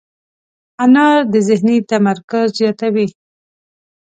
انار د ذهني تمرکز زیاتوي.